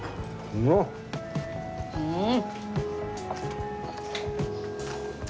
うん！